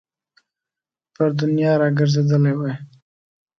پر دنیا را ګرځېدلی وای.